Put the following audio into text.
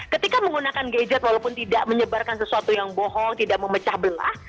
ketika menggunakan gadget walaupun tidak menyebarkan sesuatu yang bohong tidak memecah belah